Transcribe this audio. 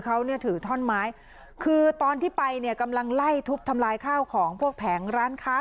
เขาเนี่ยถือท่อนไม้คือตอนที่ไปเนี่ยกำลังไล่ทุบทำลายข้าวของพวกแผงร้านค้า